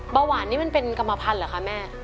เบาหวานนี่มันเป็นกรรมพันธุ์เหรอคะแม่